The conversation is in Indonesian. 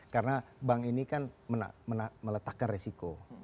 karena bank ini kan meletakkan resiko